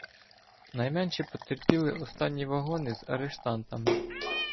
Найменше потерпіли останні вагони з арештантами.